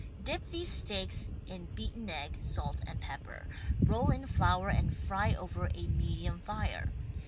Dip these steaks in beaten egg, salt and pepper. Roll in flour and fry over a medium fire.